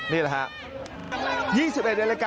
นี้แหละครับ